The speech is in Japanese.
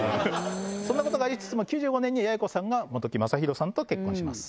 そんなことがありつつも９５年に也哉子さんが本木雅弘さんと結婚します。